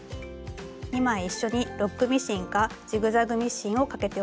２枚一緒にロックミシンかジグザグミシンをかけておきます。